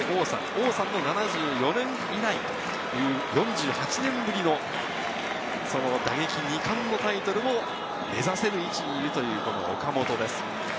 王さんの７４年以来という４８年ぶりの打撃二冠のタイトルを目指せる位置にいる岡本です。